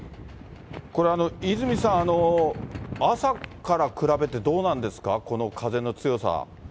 これ、泉さん、朝から比べてどうなんですか、この風の強さ。